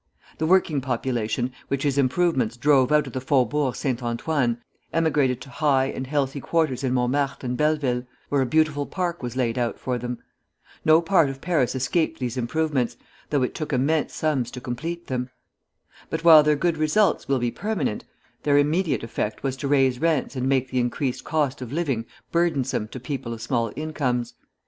The working population, which his improvements drove out of the Faubourg Saint Antoine emigrated to high and healthy quarters in Montmartre and Belleville, where a beautiful park was laid out for them. No part of Paris escaped these improvements, though it took immense sums to complete them. But while their good results will be permanent, their immediate effect was to raise rents and make the increased cost of living burdensome to people of small incomes.